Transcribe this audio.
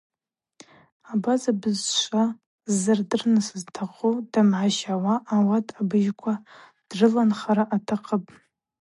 Абаза бызшва ззырдырныс зтахъу дымгӏащауата ауат абыжьква дрыдынхалра атахъыпӏ.